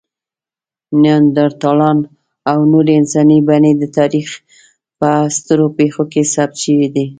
نیاندرتالان او نورې انساني بڼې د تاریخ په سترو پېښو کې ثبت شوي دي.